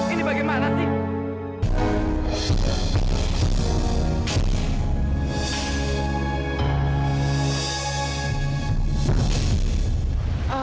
ini bagaimana sih